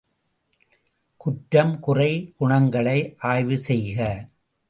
குற்றம் குறை குணங்களை ஆய்வு செய்க!